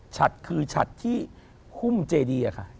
ฉัดคือฉัดที่หุ้มเจดีอะค่ะ